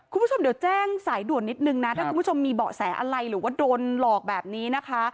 คุณผู้ชมเดี๋ยวแจ้งสายด่วนนิดนึงนะถ้าคุณผู้ชมมีเบาะแสอะไรหรือว่าโดนหลอกแบบนี้นะคะ